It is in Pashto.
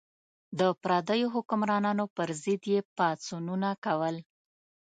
د پردیو حکمرانانو پر ضد یې پاڅونونه کول.